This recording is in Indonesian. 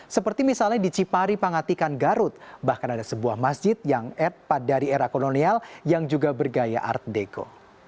seperti misalnya di cipari pangatikan garut bahkan ada sebuah masjid yang edpat dari era kolonial yang juga bergaya art deco